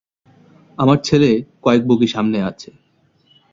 আমার ছেলে কয়েক বগি সামনে আছে।